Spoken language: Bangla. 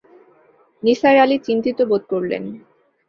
নিসার আলি চিন্তিত বোধ করলেন।